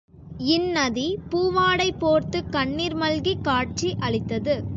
இந் நதி பூவாடை போர்த்துக் கண்ணிர் மல்கிக் காட்சி அளித்தது.